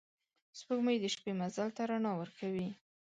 سپوږمۍ د شپې مزل ته رڼا ورکوي